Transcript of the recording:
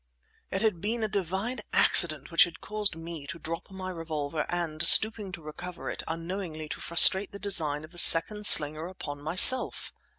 It had been a divine accident which had caused me to drop my revolver, and, stooping to recover it, unknowingly to frustrate the design of the second slinger upon myself.